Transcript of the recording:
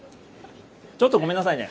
ちょっとごめんなさいね。